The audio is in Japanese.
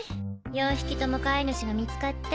４匹とも飼い主が見つかって。